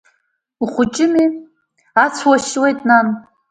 Ухәыҷыми, ацә уашьуеит, нан!